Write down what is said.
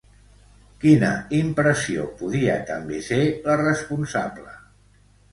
Quina impressió podia també ser la responsable?